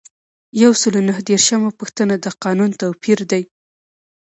یو سل او نهه دیرشمه پوښتنه د قانون توپیر دی.